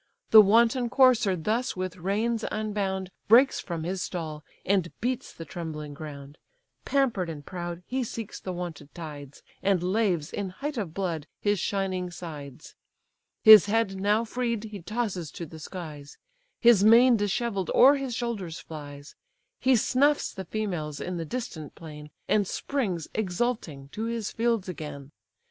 The wanton courser thus with reins unbound Breaks from his stall, and beats the trembling ground; Pamper'd and proud, he seeks the wonted tides, And laves, in height of blood his shining sides; His head now freed, he tosses to the skies; His mane dishevell'd o'er his shoulders flies; He snuffs the females in the distant plain, And springs, exulting, to his fields again.